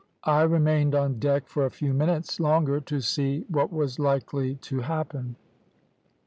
I remained on deck for a few minutes longer to see what was likely to happen.